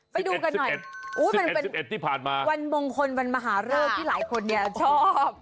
ไปดูกันหน่อยมันเป็นวันมงคลวันมหาเริกที่หลายคนชอบ